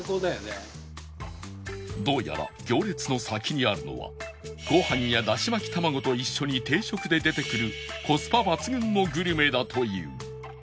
どうやら行列の先にあるのはご飯やだし巻き卵と一緒に定食で出てくるコスパ抜群のグルメだという